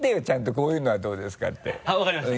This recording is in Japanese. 「こういうのはどうですか？」って分かりました。